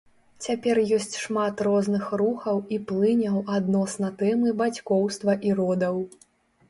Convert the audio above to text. Цяпер ёсць шмат розных рухаў і плыняў адносна тэмы бацькоўства і родаў.